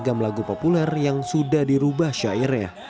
dan menggunakan lagu populer yang sudah dirubah syairnya